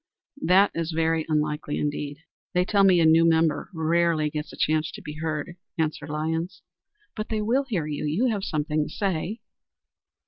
"That is very unlikely indeed. They tell me a new member rarely gets a chance to be heard," answered Lyons. "But they will hear you. You have something to say."